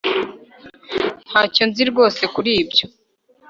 ntacyo nzi rwose kuri ibyo